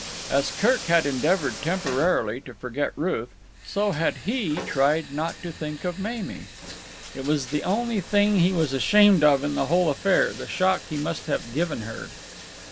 As Kirk had endeavoured temporarily to forget Ruth, so had he tried not to think of Mamie. It was the only thing he was ashamed of in the whole affair, the shock he must have given her.